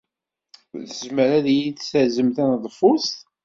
Tezmer ad iyi-d-tazen taneḍfust?